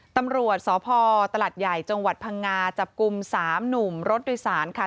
ตำรวจสภตลัดใหญ่จพังงาจับกลุ่ม๓หนุ่มรถด้วยศาลค่ะ